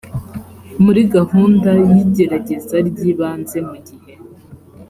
muri gahunda y igerageza ry ibanze mu gihe